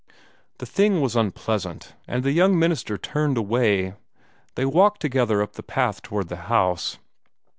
The thing was unpleasant, and the young minister turned away. They walked together up the path toward the house.